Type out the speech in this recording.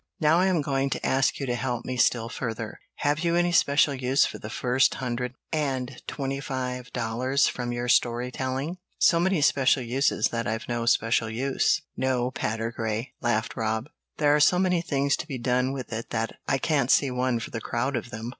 Now I am going to ask you to help me still further. Have you any special use for the first hundred and twenty five dollars from your story telling?" "So many special uses that I've no special use no, Patergrey," laughed Rob. "There are so many things to be done with it that I can't see one for the crowd of them.